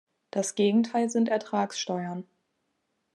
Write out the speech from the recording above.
Das Gegenteil sind Ertragsteuern.